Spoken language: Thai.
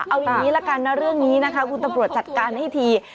เอาอย่างนี้ละกันนะเรื่องนี้นะคะคุณตำรวจจัดการให้ที